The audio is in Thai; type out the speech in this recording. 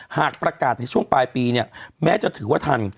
หากประกาศในช่วงปลายปีเนี่ยแม้จะถือว่าทัน